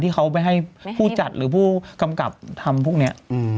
ที่เขาไปให้ผู้จัดหรือผู้กำกับทำพวกนี้